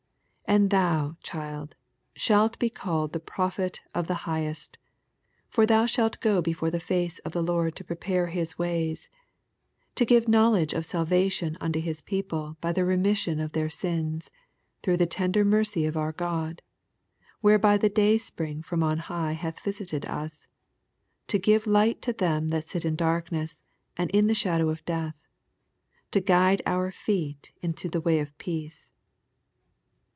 76 And thou, child, shalt be called the prophet of the Highest : for thou shalt go before the mce of the Lord to prepare his ways ; 77 To give knowledge of salvation unto his people by the remission of their sins, 78 Through the tender mercy of our God : whereby the day spring horn on hiffh uath visited us, 79 To give liffht to them that sit in darkness ana in the shadow of death, to guide our feet into the way of peace.